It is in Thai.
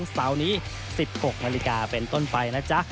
เสาร์นี้๑๖นาฬิกาเป็นต้นไปนะจ๊ะ